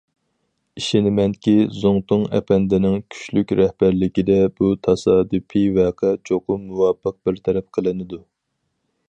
ئىشىنىمەنكى، زۇڭتۇڭ ئەپەندىنىڭ كۈچلۈك رەھبەرلىكىدە، بۇ تاسادىپىي ۋەقە چوقۇم مۇۋاپىق بىر تەرەپ قىلىنىدۇ.